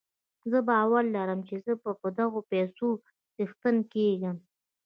زه باور لرم چې زه به د دغو پيسو څښتن کېږم.